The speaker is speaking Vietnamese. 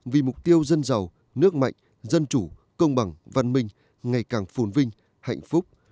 vì mục tiêu dân giàu nước mạnh dân chủ công bằng văn minh ngày càng phồn vinh hạnh phúc